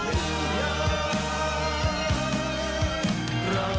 นั่งแบบเป็นว้าว